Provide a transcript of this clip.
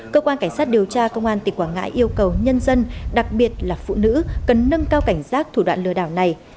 cơ quan cảnh sát điều tra công an tỉnh quảng ngãi yêu cầu nhân dân đặc biệt là phụ nữ cần nâng cao cảnh giác thủ đoạn lừa đảo này